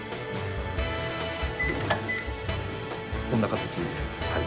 こんな形です。